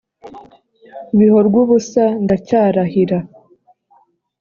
bihorwubusa ndacyarahira